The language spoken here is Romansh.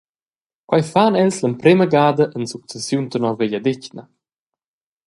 Quei fan els per l’emprema gada en successiun tenor vegliadetgna.